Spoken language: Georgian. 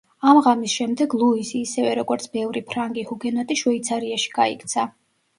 ამ ღამის შემდეგ ლუიზი, ისევე როგორც ბევრი ფრანგი ჰუგენოტი შვეიცარიაში გაიქცა.